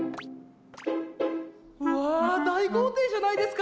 ・うわ大豪邸じゃないですか！